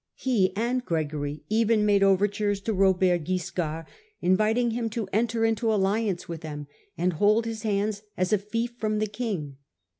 and the Pope hi and Gregory even made overtures to Robert Wiscard, inviting him to enter into alliance with them, and hold his lands as a fief from the king.